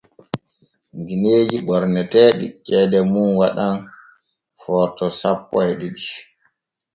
Gineeji ɓorneteeɗi ceede muuɗum waɗa Forto sappo e ɗiɗi.